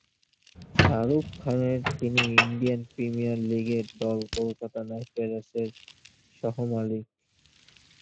শাহরুখ খানের তিনি Indian Premier League এর দল কলকাতা নাইট রাইডার্সের সহ-মালিক।